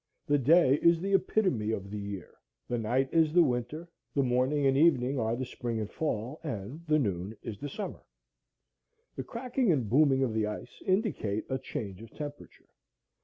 The day is an epitome of the year. The night is the winter, the morning and evening are the spring and fall, and the noon is the summer. The cracking and booming of the ice indicate a change of temperature.